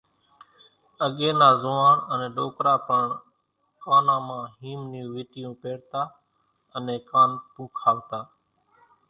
اڳيَ نا زوئاڻ انين ڏوڪرا پڻ ڪانان مان هيم نِيون ويٽِيون پيرتا انين ڪان پُونکاوتا۔